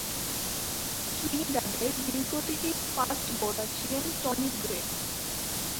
ত্রিনিদাদের দীর্ঘদেহী fast bowler ছিলেন Tony grey.